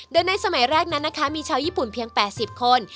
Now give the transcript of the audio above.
โดยในสมัยแรกนั้นนะคะมีชาวญี่ปุ่นเพียง๘๐คน